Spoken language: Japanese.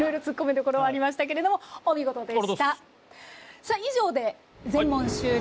さあ以上で全問終了です。